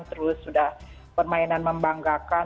terus sudah permainan membanggakan